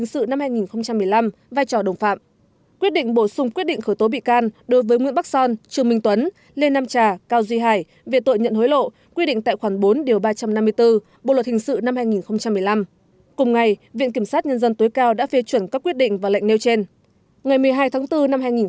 công ty cổ phần nghe nhìn toàn cầu avg về tội đưa hối lộ quy định tại khoản bốn điều ba trăm năm mươi bốn bộ luật hình sự năm hai nghìn một mươi năm quyết định bổ sung quyết định khởi tố bị can đối với nguyễn bắc son trương minh tuấn lê nam trà cao duy hải về tội nhận hối lộ quy định tại khoản bốn điều ba trăm năm mươi bốn bộ luật hình sự năm hai nghìn một mươi năm cùng ngày viện kiểm sát nhân dân tối cao đã phê chuẩn các quyết định và lệnh nêu trên